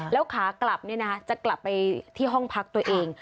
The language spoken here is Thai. แล้วขากลับจะกลับไปที่ห้องพักตัวเอง